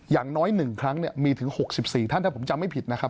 อย่างน้อย๑ครั้งเนี่ยมีถึง๖๔ท่านนะครับผมจำไม่ผิดนะครับ